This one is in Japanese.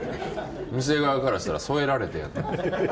店側からしたら添えられている。